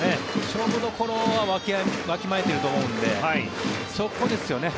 勝負どころはわきまえていると思うのでそこですよね。